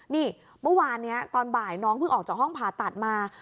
นี่เมื่อวานนี้ตอนบ่ายน้องเพิ่งออกจากห้องผ่าตัดมา